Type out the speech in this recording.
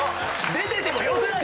出ててもよくないっすか？